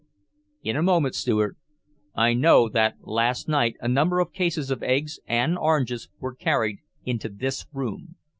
"In a moment, Steward. I know that last night a number of cases of eggs and oranges were carried into this room.